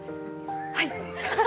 はい！